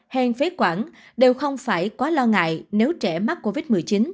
hèn phế quản đều không phải quá lo ngại nếu trẻ mắc covid một mươi chín